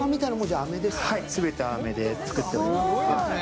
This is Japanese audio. はい、すべてあめで作っております。